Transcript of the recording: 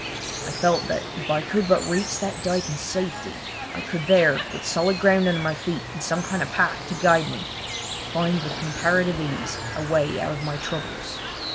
I felt that if I could but reach that dyke in safety I could there, with solid ground under my feet and some kind of path to guide me, find with comparative ease a way out of my troubles.